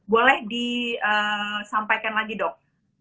boleh disampaikan lagi dok